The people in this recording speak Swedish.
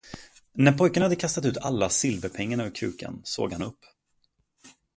När pojken hade kastat ut alla silverpengarna ur krukan, såg han upp.